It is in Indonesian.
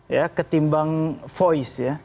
ya ketimbang voice ya